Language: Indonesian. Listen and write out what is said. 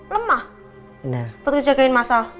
lemah benar buat ngejagain masalah